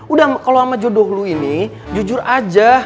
udah kalau sama jodoh lu ini jujur aja